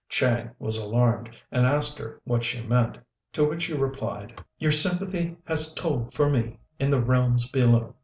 Chang was alarmed, and asked her what she meant; to which she replied, "Your sympathy has told for me in the realms below.